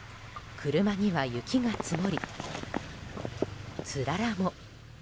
車には雪が積もり、つららも。